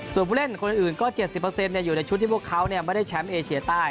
ส่วนผู้เล่นคนอื่นก็๗๐อยู่ในชุดที่พวกเขาไม่ได้แชมป์เอเชียใต้